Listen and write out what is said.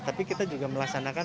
tapi kita juga melaksanakan